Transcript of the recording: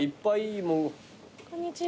こんにちは。